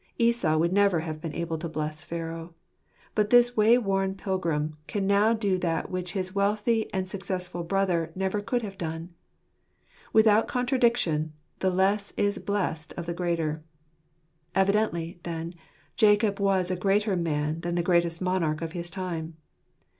Esau would never have been able to bless Pharaoh. But this way worn pilgrim can now do that which his wealthy and successful brother never could have done. "Without contradiction, the less is blessed of the greater." Evidently, then, Jacob was a greater man than the greatest monarch of his time.